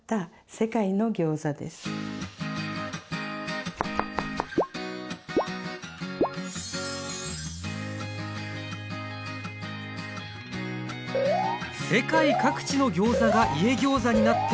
世界各地のギョーザが「家ギョーザ」になっている荻野さん。